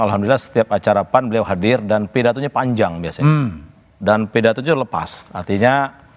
alhamdulillah setiap acarapan beliau hadir dan pedatonya panjang dan pedatonya lepas artinya